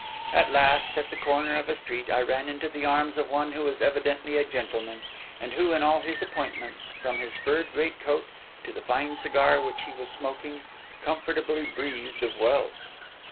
At last, at the corner of a street, I ran into the arms of one who was evidently a gentleman, and who, in all his appointments, from his furred great coat to the fine cigar which he was smoking, comfortably breathed of wealth.